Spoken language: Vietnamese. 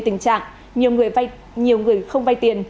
trạng nhiều người không vay tiền